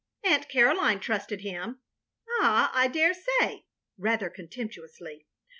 " Aunt Caroline trusted him. "Ay, I daresay," rather contemptuously.